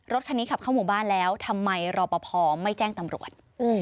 รถคันนี้ขับเข้าหมู่บ้านแล้วทำไมรอปภไม่แจ้งตำรวจ